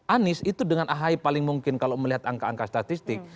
anies itu dengan ahy paling mungkin kalau melihat angka angka statistik